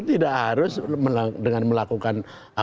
tidak harus dengan melakukan